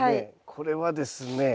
これはですね